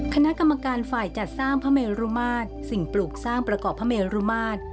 คณะกรรมการฝ่ายจัดสร้างพระเมรุมาตรสิ่งปลูกสร้างประกอบพระเมรุมาตร